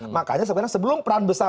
makanya sebenarnya sebelum peran besar